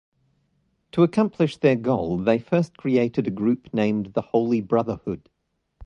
To accomplish their goal, they first created a group named the Holy Brotherhood.